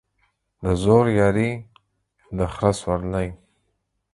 د زورياري ، د خره سورلى.